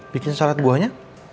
bikin salat buahnya